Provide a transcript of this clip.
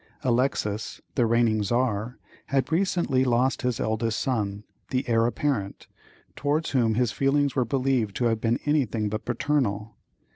Alexis, the reigning Czar, had recently lost his eldest son, the heir apparent, towards whom his feelings were believed to have been anything but paternal.